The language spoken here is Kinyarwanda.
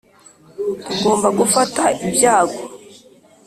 tugomba gufata ibyago.